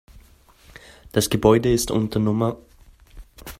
Das Gebäude ist unter Nr.